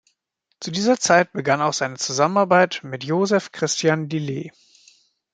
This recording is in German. Zu dieser Zeit begann auch seine Zusammenarbeit mit Joseph Christian Lillie.